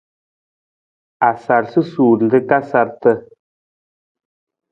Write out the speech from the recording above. A sar susuur nra ka sarata.